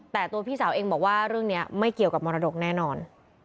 แต่ตัวพี่สาวเองบอกว่าเรื่องนี้ไม่เกี่ยวกับมรดกแน่นอน